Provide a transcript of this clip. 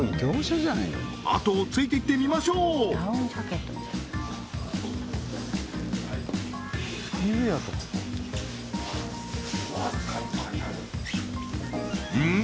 あとをついていってみましょううん？